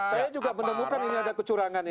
saya juga menemukan ini ada kecurangan